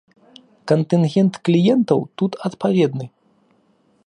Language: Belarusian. Кантынгент кліентаў тут адпаведны.